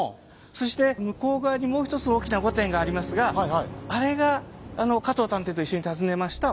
そして向こう側にもう一つ大きな御殿がありますがあれが加藤探偵と一緒に訪ねました